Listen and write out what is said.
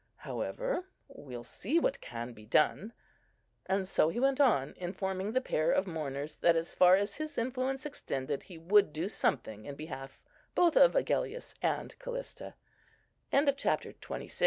However, we'll see what can be done." And so he went on, informing the pair of mourners that, as far as his influence extended, he would do something in behalf both of Agellius and C